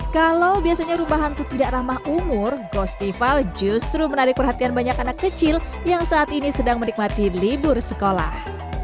kalau biasanya rumah hantu tidak ramah umur ghostival justru menarik perhatian banyak anak kecil yang saat ini sedang menikmati libur sekolah